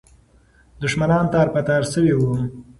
دښمنان تار په تار سوي وو.